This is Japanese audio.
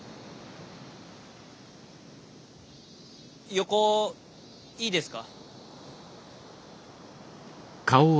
横いいですか？